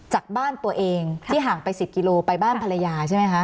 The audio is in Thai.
จากบ้านตัวเองที่ห่างไป๑๐กิโลไปบ้านภรรยาใช่ไหมคะ